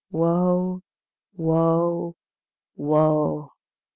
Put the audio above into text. Woe! woe! woe!"